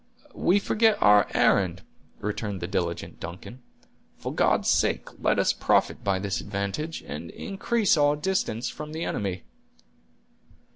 "We forget our errand," returned the diligent Duncan. "For God's sake let us profit by this advantage, and increase our distance from the enemy."